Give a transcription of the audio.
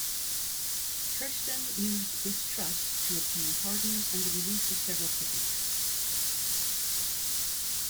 Kersten used this trust to obtain pardons and the release of several prisoners.